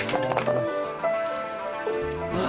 ああ